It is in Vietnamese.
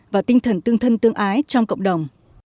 và tinh thần tương thân tương ái trong cộng đồng